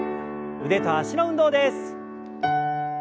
腕と脚の運動です。